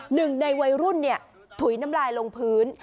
หนึ่งในวัยรุ่นถุยน้ำลายลงพื้น